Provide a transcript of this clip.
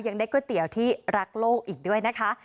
ยังได้ก๋วยเตี๋ยวที่รักโลกอีกด้วยนะคะ